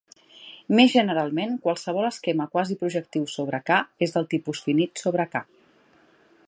Més generalment, qualsevol esquema quasi projectiu sobre "k" és del tipus finit sobre "k".